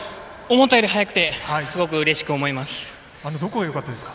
思ったより早くてすごくうれしく思います。